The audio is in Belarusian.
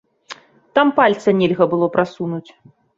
Там пальца нельга было прасунуць.